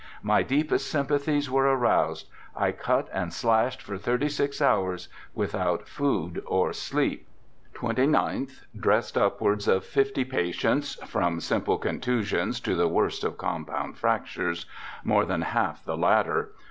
My deepest sympathies were roused I cut and slashed for 36 hours without food or sleep. "'29th. — Dressed upwards of 50 patients — from simple contusions to the worst of compound fractures — more than half the latter.